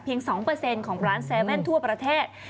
เพียง๒ของร้าน๗๑๑ทั่วประเทศ